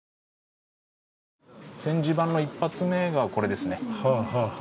「戦時版」の一発目がこれですね。